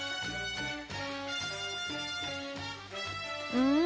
うん！